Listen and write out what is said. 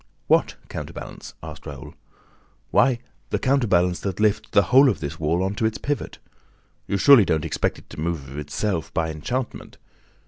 "What counterbalance?" asked Raoul. "Why, the counterbalance that lifts the whole of this wall on to its pivot. You surely don't expect it to move of itself, by enchantment!